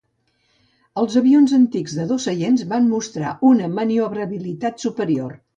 Els avions antics de dos seients van mostrar una maniobrabilitat superior.